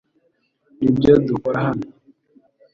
Nibyo dukora hano .